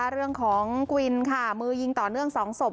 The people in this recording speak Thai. เรื่องของกวินค่ะมือยิงต่อเนื่อง๒ศพ